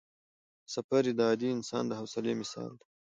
سفر یې د عادي انسان د حوصلې مثال دی.